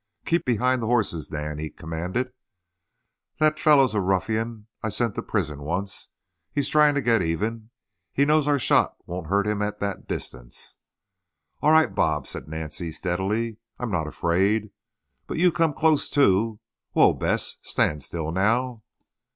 "Keep behind the horses, Nan," he commanded. "That fellow is a ruffian I sent to prison once. He's trying to get even. He knows our shot won't hurt him at that distance." "All right, Bob," said Nancy steadily. "I'm not afraid. But you come close, too. Whoa, Bess; stand still, now!"